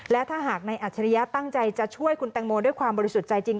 และถ้าหากในอัจฉริยะตั้งใจจะช่วยคุณแตงโมด้วยความบริสุทธิ์ใจจริง